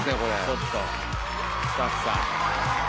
ちょっとスタッフさん。